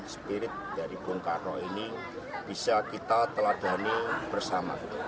spirit dari bung karno ini bisa kita teladani bersama